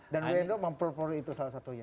dan wendo memperoleh itu salah satunya